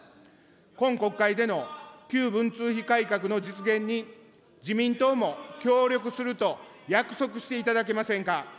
今国会での旧文通費改革の実現に自民党も協力すると約束していただけませんか。